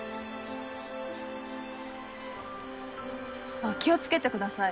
あっ気をつけてください。